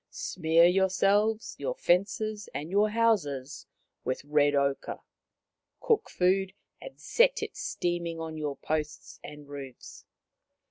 Smear yourselves, your fences, and your houses with red ochre ; cook food and set it steaming on your posts and roofs.